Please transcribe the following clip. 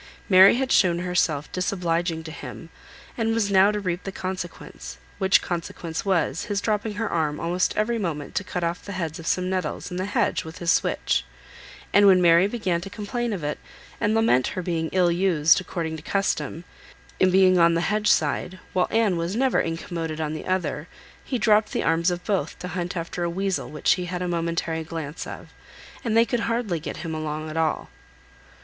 Mary had shewn herself disobliging to him, and was now to reap the consequence, which consequence was his dropping her arm almost every moment to cut off the heads of some nettles in the hedge with his switch; and when Mary began to complain of it, and lament her being ill used, according to custom, in being on the hedge side, while Anne was never incommoded on the other, he dropped the arms of both to hunt after a weasel which he had a momentary glance of, and they could hardly get him along at all.